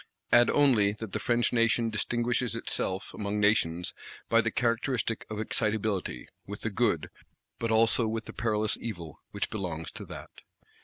Add only that the French Nation distinguishes itself among Nations by the characteristic of Excitability; with the good, but also with the perilous evil, which belongs to that.